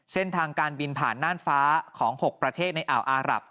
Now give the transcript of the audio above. เส้นทางการบินผ่านน่านฟ้าของ๖ประเทศในอ่าวอารับ